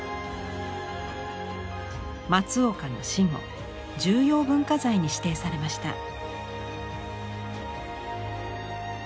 松岡の死後重要文化財に指定されました。